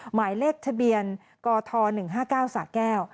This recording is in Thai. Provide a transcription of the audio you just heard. หมายเลขทะเบียนกท๑๕๙สะแก้ว